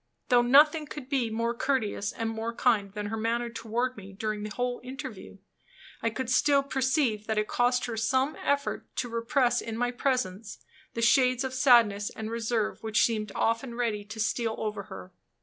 Though nothing could be more courteous and more kind than her manner toward me during the whole interview, I could still perceive that it cost her some effort to repress in my presence the shades of sadness and reserve which seemed often ready to steal over her.